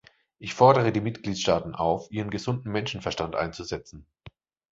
Ich fordere die Mitgliedstaaten auf, ihren gesunden Menschenverstand einzusetzen.